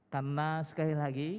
karena sekali lagi